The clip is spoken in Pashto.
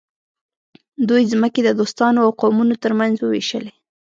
دوی ځمکې د دوستانو او قومونو ترمنځ وویشلې.